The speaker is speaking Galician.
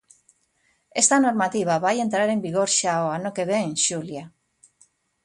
Esta normativa vai entrar en vigor xa o ano que vén, Xulia.